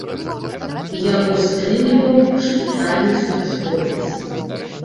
Яго стрымліваў шпітальны службовец.